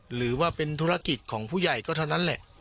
หรือว่าเป็นธุรกิจของผู้ใหญ่ก็เท่านั้นแหละ